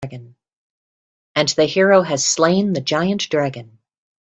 And the hero has slain the giant dragon.